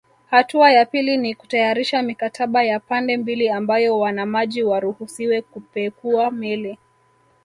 Hatua ya pili ni kutayarisha mikataba ya pande mbili ambayo wanamaji waruhusiwe kupekua meli